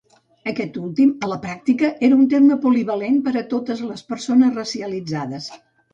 Aquest últim, a la pràctica, era un terme "polivalent" per a totes les persones racialitzades.